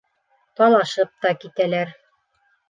Талашып та китәләр.